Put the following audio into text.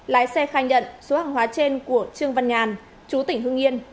lái xe khai nhận số hàng hóa trên của trương văn ngàn